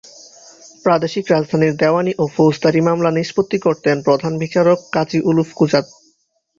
প্রাদেশিক রাজধানীর দেওয়ানি ও ফৌজদারি মামলা নিষ্পত্তি করতেন প্রধান বিচারক কাজী-উল-কুজাত।